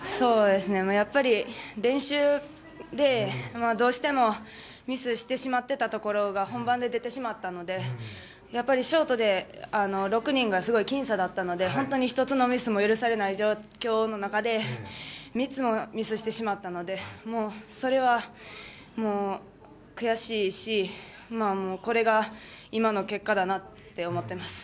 やっぱり練習でどうしてもミスしてしまってたところが本番に出てしまったのでショートで６人がすごいきん差だったので本当に１つのミスも許されない状況の中でミスしてしまったのでそれはもう、悔しいしこれが今の結果だなって思ってます。